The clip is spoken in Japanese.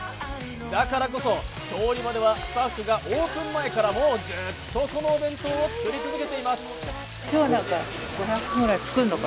だからこそ調理場ではスタッフがオープン前からもうずっとこのお弁当を作り続けています。